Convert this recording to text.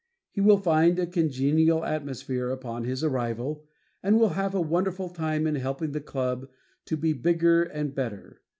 He will find a congenial atmosphere upon his arrival and will have a wonderful time in helping the club to be bigger and better.